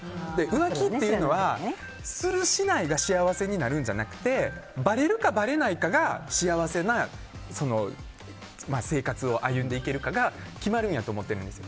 浮気っていうのはする、しないが幸せになるんじゃなくてバレるかバレないかが幸せな生活を歩んでいけるかが決まるんやと思ってるんです。